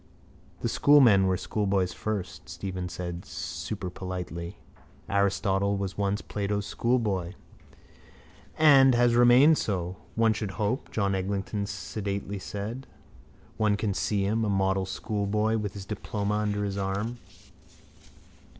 —The schoolmen were schoolboys first, Stephen said superpolitely. Aristotle was once Plato's schoolboy. —And has remained so, one should hope, John Eglinton sedately said. One can see him, a model schoolboy with his diploma under his arm.